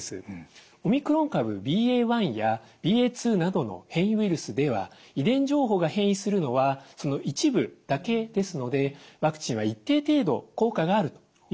オミクロン株ＢＡ．１やＢＡ．２などの変異ウイルスでは遺伝情報が変異するのはその一部だけですのでワクチンは一定程度効果があるというふうに考えます。